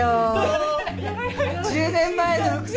「１０年前の伏線」。